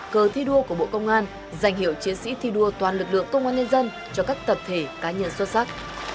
cờ thi đua của bộ công an giành hiệu chiến sĩ thi đua toàn lực lượng công an nhân dân cho các tập thể cá nhân xuất sắc